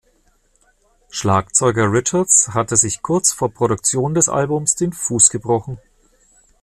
Schlagzeuger Richards hatte sich kurz vor Produktion des Albums den Fuß gebrochen.